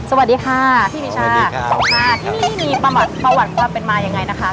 สวัสดีค่ะพี่มิชาค่ะที่นี่นี่มีประวัติความเป็นมายังไงนะคะ